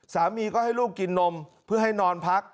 สามีก็ให้ลูกกินนมเพื่อให้นอนพัก